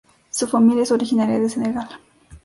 Su familia es originaria de Senegal.